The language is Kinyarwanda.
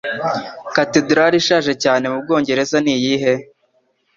Katedrali ishaje cyane mubwongereza niyihe?